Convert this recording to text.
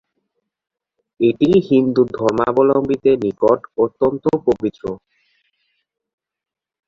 এটি হিন্দু ধর্মাবলম্বীদের নিকট অত্যন্ত পবিত্র।